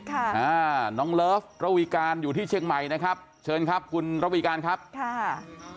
อ่าน้องเลิฟระวีการอยู่ที่เชียงใหม่นะครับเชิญครับคุณระวีการครับค่ะ